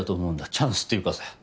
チャンスっていうかさ。